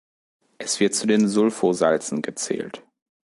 Es wird zu den Sulfosalzen gezählt.